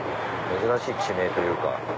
珍しい地名というか。